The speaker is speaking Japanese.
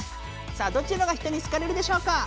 さあどっちのほうが人にすかれるでしょうか？